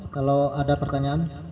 kalau ada pertanyaan